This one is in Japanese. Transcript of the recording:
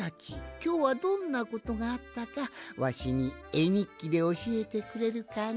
きょうはどんなことがあったかわしにえにっきでおしえてくれるかの？